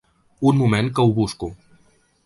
Un moment que ho busco.